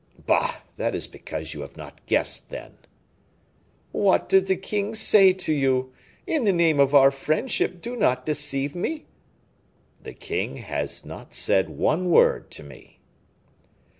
"Bah! that is because you have not guessed, then." "What did the king say to you? In the name of our friendship, do not deceive me." "The king has not said one word to me."